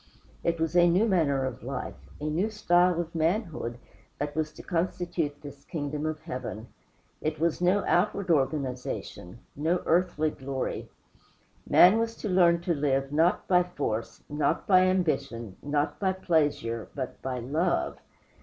It was a new manner of life, a new style of manhood, that was to constitute this kingdom of Heaven. It was no outward organization no earthly glory. Man was to learn to live, not by force, not by ambition, not by pleasure, but by LOVE.